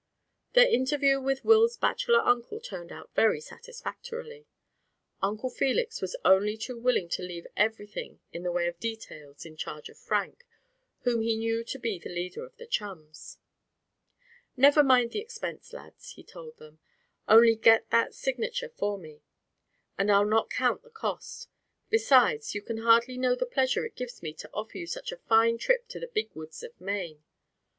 Their interview with Will's bachelor uncle turned out very satisfactorily. Uncle Felix was only too willing to leave everything in the way of details in charge of Frank, whom he knew to be the leader of the chums. "Never mind the expense, lads," he told them; "only get that signature for me, and I'll not count the cost. Besides, you can hardly know the pleasure it gives me to offer you such a fine trip into the Big Woods of Maine.